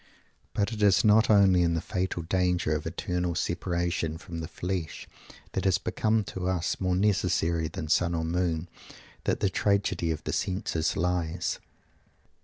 But it is not only in the fatal danger of eternal separation from the flesh that has become to us more necessary than sun or moon, that _the tragedy of the senses lies.